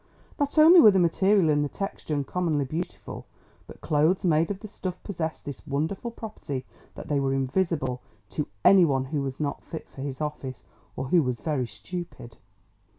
Not only were the material and texture uncommonly beautiful, but clothes made of the stuff possessed this wonderful property that they were invisible to anyone who was not fit for his office, or who was very stupid.